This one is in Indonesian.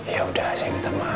yaudah sayang teman